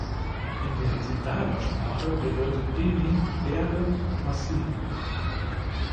In der Tedaga-Sprache bedeutet "Emi" "Berge", "Massiv".